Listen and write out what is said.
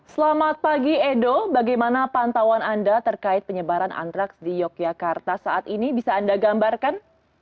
selamat pagi edo bagaimana pantauan anda terkait penyebaran antraks di yogyakarta saat ini bisa anda gambarkan